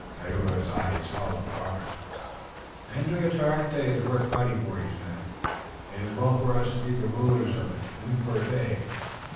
Tayoga's eyes followed Robert's. "Andiatarocte is worth fighting for," he said. "It is well for us to be the rulers of it, even for a day.